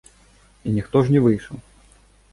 І ніхто ж не выйшаў.